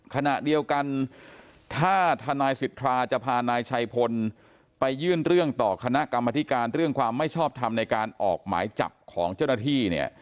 ขณะเดียวกันถ้าทนายสิทธาจะพานายชัยพลไปยื่นเรื่องต่อคณะกรรมธิการเรื่องความไม่ชอบทำในการออกหมายจับของเจ้าหน้าที่เนี่ย